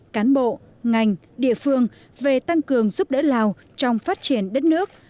cán bộ ngành địa phương về tăng cường giúp đỡ lào trong phát triển đất nước